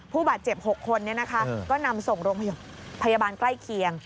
ผู้บาดเจ็บ๖คนก็นำส่งโรงพยาบาลใกล้เคียง